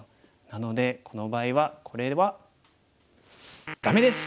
なのでこの場合はこれはダメです！